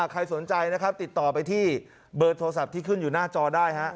ใครสนใจนะครับติดต่อไปที่เบอร์โทรศัพท์ที่ขึ้นอยู่หน้าจอได้ฮะ